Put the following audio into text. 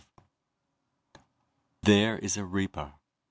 net There Is A Reaper